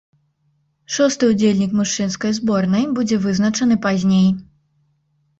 Шосты ўдзельнік мужчынскай зборнай будзе вызначаны пазней.